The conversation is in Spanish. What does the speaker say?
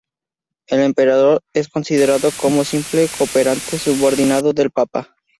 El Emperador es considerado como un simple cooperante subordinado del Papa.